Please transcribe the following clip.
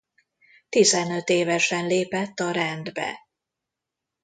Tizenöt évesen lépett a rendbe.